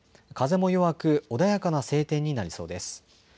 風も弱く穏やかな晴天になりそうです。